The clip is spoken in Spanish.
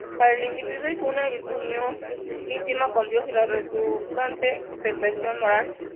Para el individuo, es una unión íntima con Dios y la resultante perfección moral.